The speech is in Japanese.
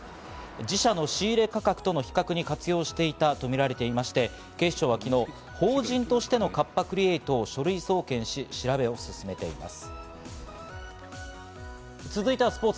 自社の仕入れ価格との比較に活用していたとみられていまして、警視庁は昨日、法人としてのカッパ・クリエイトを書類送検し、調べを進めています。